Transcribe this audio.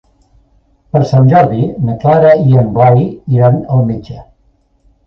Per Sant Jordi na Carla i en Blai iran al metge.